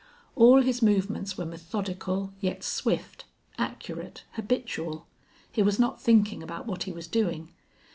All his movements were methodical, yet swift, accurate, habitual. He was not thinking about what he was doing.